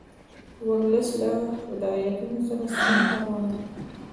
ورلسټ له هدایتونو سره سم کار ونه کړ.